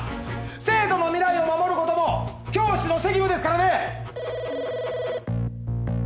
生徒の未来を守ることも教師の責務ですからね！